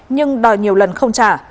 nhưng đòi nhiều lần không trả